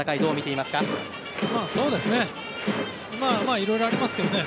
いろいろありますけどね